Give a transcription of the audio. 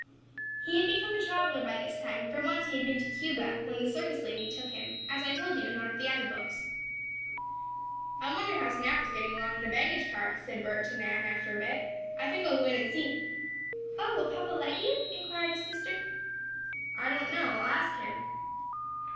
He had become a traveler by this time, for once he had been to Cuba, when the circus lady took him, as I told you in one of the other books. "I wonder how Snap is getting along in the baggage car?" said Bert to Nan, after a bit. "I think I'll go in and see." "Oh, will papa let you?" inquired his sister. "I don't know. I'll ask him."